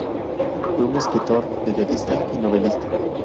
Fue un escritor, periodista y novelista.